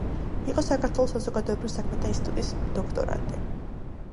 იყო საქართველოს საზოგადოებრივ საქმეთა ინსტიტუტის დოქტორანტი.